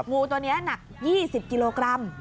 งูตัวนี้หนัก๒๐กิโลกรัม